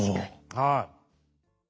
はい。